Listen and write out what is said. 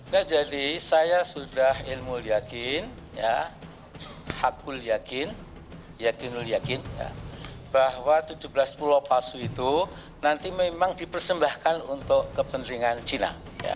ya jadi saya sudah ilmu yakin ya hakul yakin yakinul yakin bahwa tujuh belas pulau palsu itu nanti memang dipersembahkan untuk kepentingan cina